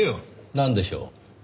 なんでしょう？